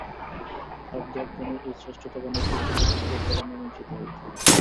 আর দেবগণের এই শ্রেষ্ঠতা বা নিকৃষ্টতা যুদ্ধের দ্বারা মীমাংসিত হইত।